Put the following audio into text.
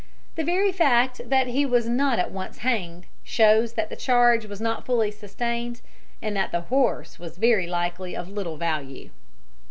The very fact that he was not at once hanged shows that the charge was not fully sustained, and that the horse was very likely of little value.